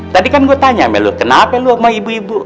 tadi kan gua tanya sama lu kenapa lu omong ibu ibu